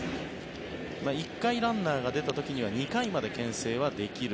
１回ランナーが出た時には２回まではけん制ができる。